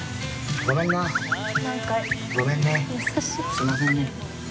すみませんね。